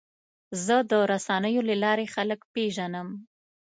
زه د رسنیو له لارې خلک پیژنم.